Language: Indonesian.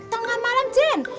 tengah malam jen